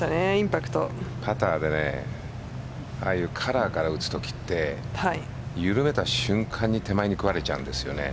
パターでああいうカラーから打つときって緩めた瞬間に手前に食われちゃうんです。